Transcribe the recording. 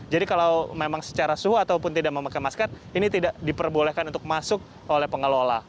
jadi kalau memang secara suhu ataupun tidak memakai masker ini tidak diperbolehkan untuk masuk oleh pengelola